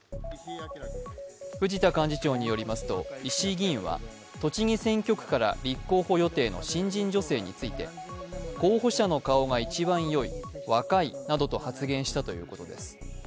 藤田幹事長によりますと石井議員は栃木選挙区から立候補予定の新人女性について候補者の顔が一番良い、若いなどと発言したということです。